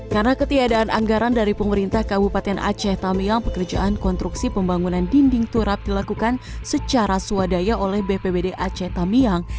karena ketiadaan anggaran dari pemerintah kabupaten aceh tamiang pekerjaan konstruksi pembangunan dinding turap dilakukan secara swadaya oleh bpbd aceh tamiang